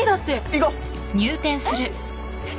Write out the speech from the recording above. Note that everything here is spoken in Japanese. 行こう！えっ？